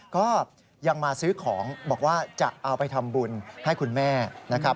ก็ยังมาซื้อของบอกว่าจะเอาไปทำบุญให้คุณแม่นะครับ